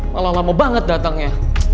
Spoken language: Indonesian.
malah lama banget datangnya